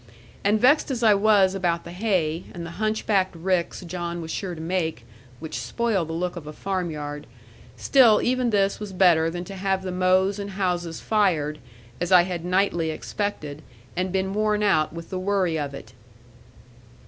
And vexed as I was about the hay, and the hunch backed ricks John was sure to make (which spoil the look of a farm yard), still even this was better than to have the mows and houses fired, as I had nightly expected, and been worn out with the worry of it.